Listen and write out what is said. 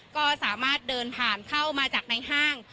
ก็สามารถเดินผ่านเข้ามาจากในห้าง